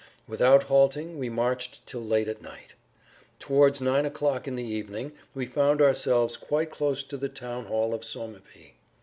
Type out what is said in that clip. Without halting we marched till late at night. Towards nine o'clock in the evening we found ourselves quite close to the town hall of Sommepy.